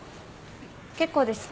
結構です。